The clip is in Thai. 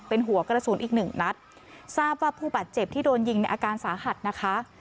เป็นหัวกระสุนอีกหนึ่งนัดทราบว่าผู้บาดเจ็บที่โดนยิงในอาการสาหัสนะคะ